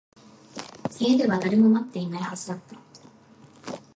家では誰も待っていないはずだった